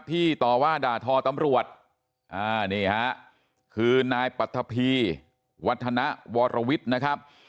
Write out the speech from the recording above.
ที่ต่อว่าด่าทอตำรวจอ่านี่ฮะคือนายปรัฐพีวัฒนวรวิทย์นะครับ